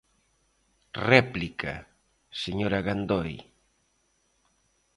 Réplica, señora Gandoi.